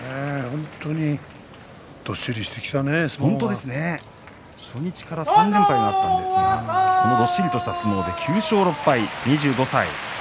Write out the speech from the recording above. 本当ですね、初日から３連敗があったんですがどっしりとした相撲で９勝６敗。